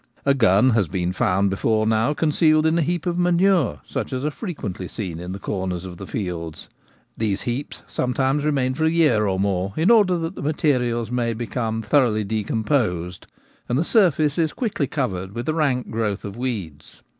A gun has been found before now concealed in a heap of manure, such as are frequently seen in the corners of the fields. These heaps sometimes remain for a year or more in order that the materials may become thoroughly decomposed, and the surface is quickly covered with a rank growth of weeds.